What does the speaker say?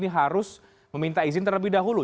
harus meminta izin terlebih dahulu